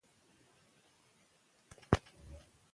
او حضرت عبدالله بن عباس رضي الله تعالى عنهم نه روايت نقل كوي چې :